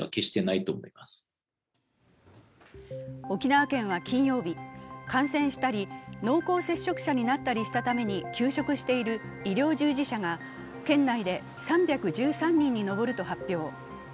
沖縄県は金曜日、感染したり濃厚接触者になったりしたために休職している医療従事者が県内で３１３人に上ると発表。